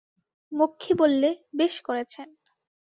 মক্ষী বললে, বেশ করেছেন।